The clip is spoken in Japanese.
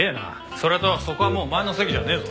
それとそこはもうお前の席じゃねえぞ。